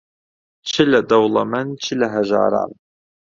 چ لە دەوڵەمەن، چ لە هەژاران